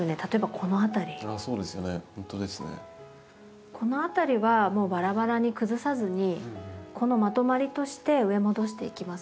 この辺りはもうバラバラに崩さずにこのまとまりとして植え戻していきます。